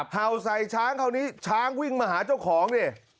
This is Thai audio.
เห่าใส่ช้างคราวนี้ช้างวิ่งมาหาเจ้าของดิ